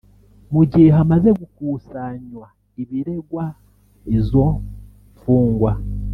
Mu gihe hamaze gukusanywa ibiregwa izo mfungwa